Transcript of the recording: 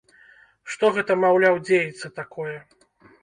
Што гэта маўляў дзеецца такое.